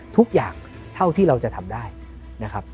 ทุกอย่างเท่าที่เราจะทำได้นะครับ